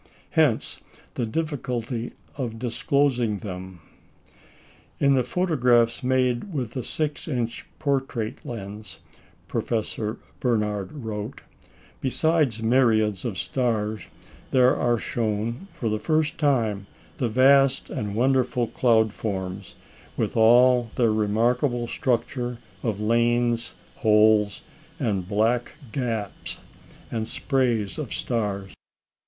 Hence the difficulty of disclosing them. "In the photographs made with the 6 inch portrait lens," Professor Barnard wrote, "besides myriads of stars, there are shown, for the first time, the vast and wonderful cloud forms, with all their remarkable structure of lanes, holes, and black gaps, and sprays of stars.